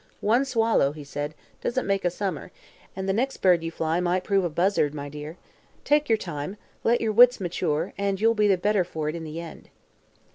"One swallow," he said, "doesn't make a summer, and the next bird you fly might prove a buzzard, my dear. Take your time, let your wits mature, and you'll be the better for it in the end."